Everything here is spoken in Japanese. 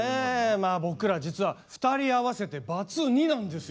僕ら実は２人合わせてバツ２なんですよ。